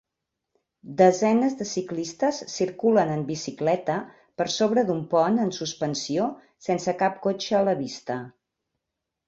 Desenes de ciclistes circulen en bicicleta per sobre d'un pont en suspensió sense cap cotxe a la vista